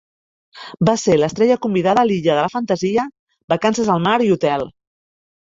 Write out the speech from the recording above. Va ser l'estrella convidada a "L'illa de la fantasia", "Vacances al mar" i "Hotel".